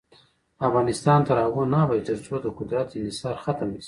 افغانستان تر هغو نه ابادیږي، ترڅو د قدرت انحصار ختم نشي.